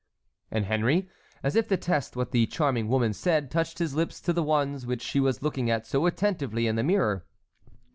And Henry, as if to test what the charming woman said, touched his lips to the ones which she was looking at so attentively in the mirror.